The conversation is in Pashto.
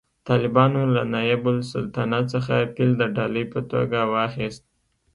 طالبانو له نایب السلطنه څخه فیل د ډالۍ په توګه واخیست